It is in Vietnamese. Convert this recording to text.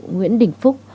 nguyễn đình phúc